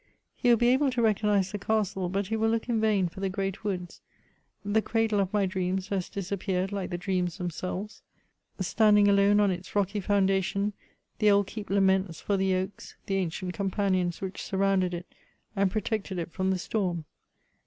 He will be able to recognize the castle, but he will look in vain for the great woods : the cradle of my dreams has disappeared like the dreams themselves. Standing alone on its rocky foundation, the old keep laments for the oaks, the ancient companions which surrounded it and pro tected it from the storm.